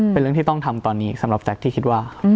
เป็นเรื่องที่ต้องทำตอนนี้สำหรับแจ๊คที่คิดว่า